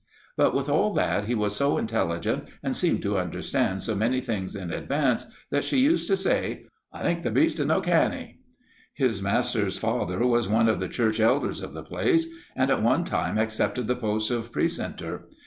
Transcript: But with all that, he was so intelligent, and seemed to understand so many things in advance, that she used to say, 'I think the beast is no canny.' "His master's father was one of the church elders of the place, and at one time accepted the post of precentor.